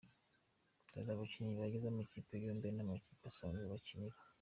Dore abakinnyi bagize amakipe yombi n’amakipe basanzwe bakinira:.